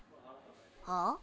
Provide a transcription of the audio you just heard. はあ？